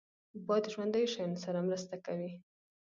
باد د ژوندیو شیانو سره مرسته کوي